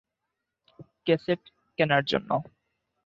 Cassette কেনার জন্য।